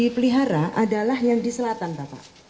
dipelihara adalah yang di selatan bapak